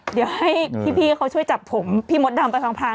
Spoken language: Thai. เดี๋ยวให้พี่เขาช่วยจับผมพี่มดดำไปฟังพราน